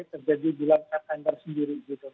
terjadi di lantai tender sendiri gitu